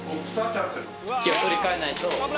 取り替えないと。